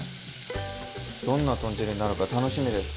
どんな豚汁になるか楽しみです。